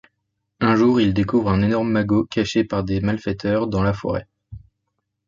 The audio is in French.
Un jour, il découvre un énorme magot caché par des malfaiteurs dans la forêt.